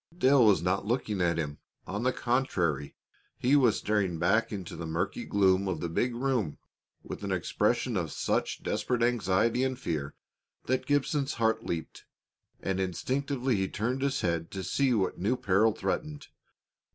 Dale was not looking at him; on the contrary, he was staring back into the murky gloom of the big room with an expression of such desperate anxiety and fear that Gibson's heart leaped, and instinctively he turned his head to see what new peril threatened.